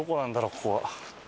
ここは。